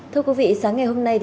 thưa quý vị sáng ngày hôm nay